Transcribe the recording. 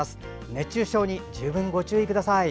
熱中症に十分ご注意ください。